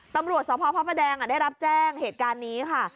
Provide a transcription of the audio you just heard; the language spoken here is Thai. ตำรวจสพพระประแดงได้รับแจ้งเหตุการณ์นี้ค่ะ